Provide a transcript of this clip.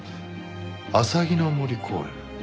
あさぎの森公園？